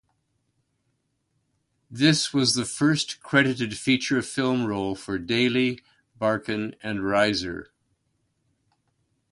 This was the first credited feature film role for Daly, Barkin and Reiser.